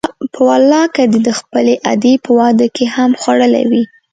په والله که دې د خپلې ادې په واده کې هم خوړلي وي.